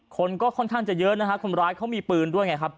คนก็ค่อนข้างจะเยอะนะฮะคนร้ายเขามีปืนด้วยไงครับ